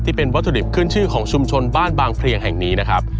เป็นวัตถุดิบขึ้นชื่อของชุมชนบ้านบางเพลียงแห่งนี้นะครับ